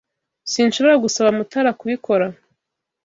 Sinshobora gusaba Mutara kubikora